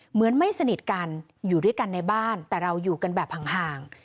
เหมือนไม่สนิทกันอยู่ด้วยกันในบ้านแต่เราอยู่กันแบบห่าง